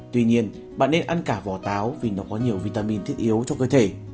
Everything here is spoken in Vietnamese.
tuy nhiên bạn nên ăn cả vỏ táo vì nó có nhiều vitamin thiết yếu cho cơ thể